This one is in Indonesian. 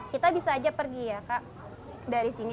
kita bisa aja pergi ya kak